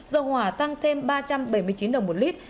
dầu hỏa tăng thêm ba trăm bảy mươi chín đồng một lít